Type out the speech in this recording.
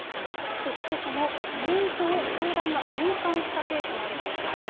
そしてその念書を教団が返還したケースもあるということです。